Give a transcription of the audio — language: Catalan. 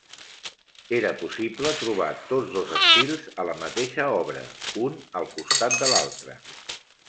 Era possible trobar tots dos estils a la mateixa obra, un al costat de l'altre.